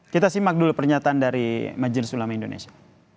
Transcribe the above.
kita simak dulu pernyataan dari majelis ulama indonesia